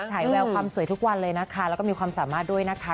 ถ่ายแววความสวยทุกวันเลยนะคะแล้วก็มีความสามารถด้วยนะคะ